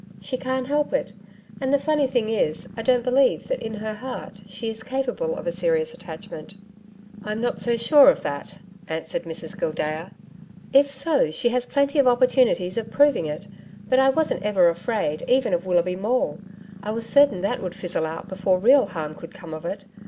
She can't help it. And the funny thing is, I don't believe that in her heart she is capable of a serious attachment.' 'I'm not so sure of that,' answered Mrs Gildea. 'If so, she has had plenty of opportunities of proving it. But I wasn't ever afraid even of Willoughby Maule. I was certain that would fizzle out before real harm could come of it.